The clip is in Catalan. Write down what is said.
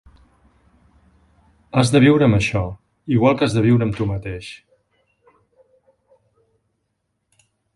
Has de viure amb això, igual que has de viure amb tú mateix.